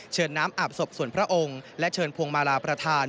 น้ำอาบศพส่วนพระองค์และเชิญพวงมาลาประธาน